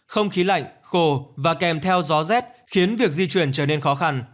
không khí lạnh khô và kèm theo gió rét khiến việc di chuyển trở nên khó khăn